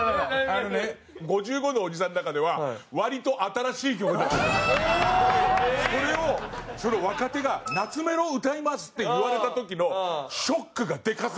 あのね５５のおじさんの中ではそれをそれを若手が「懐メロを歌います！」って言われた時のショックがでかすぎて。